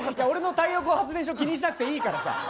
俺の太陽光発電所気にしなくていいから！